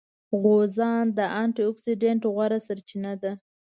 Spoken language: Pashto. غوزان د انټي اکسیډېنټ غوره سرچینه ده.